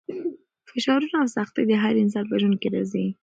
فشارونه او سختۍ د هر انسان په ژوند کې راځي.